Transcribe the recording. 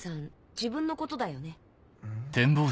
自分のことだよね？